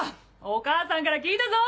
お母さんから聞いたぞ！